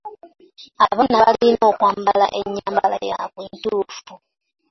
Abaana balina okwambala ennyamba yaabwe entuufu.